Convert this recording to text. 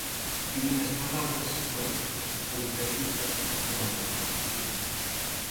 Divinas palabras, claro, outra cita de Valle-Inclán.